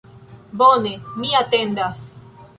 Bone, mi atendas